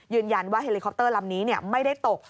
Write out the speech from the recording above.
ยืนยันว่าเฮลิคอปเตอร์ลำนี้ไม่ได้ตก